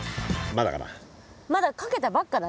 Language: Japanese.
まだかけたばっかだね。